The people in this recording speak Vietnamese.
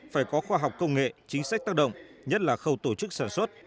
phải có khoa học công nghệ chính sách tác động nhất là khâu tổ chức sản xuất